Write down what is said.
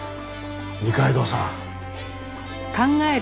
二階堂さん。